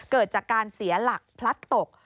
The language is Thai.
เกิดจากการเสียหลักพลัดตก